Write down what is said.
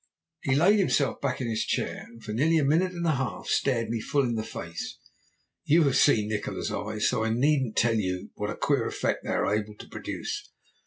"He laid himself back in his chair, and for nearly a minute and a half stared me full in the face. You have seen Nikola's eyes, so I needn't tell you what a queer effect they are able to produce.